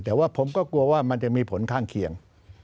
แต่ว่าผมก็กลัวว่ามันจะมีผลข้างเคียง